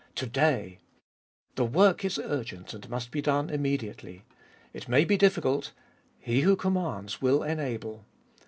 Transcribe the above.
To day I The work is urgent and must be done immediately. It may be difficult — He who commands will enable.